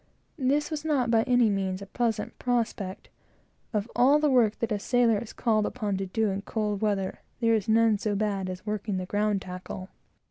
This was not, by any means, a pleasant prospect, for, of all the work that a sailor is called upon to do in cold weather, there is none so bad as working the ground tackle.